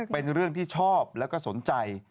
เป็นเรื่องที่ชอบแล้วก็สนใจ